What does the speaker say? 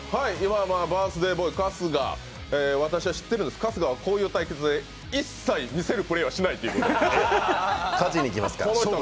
バースデーボーイ・春日、私は知っているんです、春日はこういう対決で一切見せるプレーはしないということを。